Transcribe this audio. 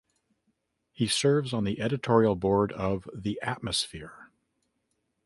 He serves on the editorial board of the "Atmosphere".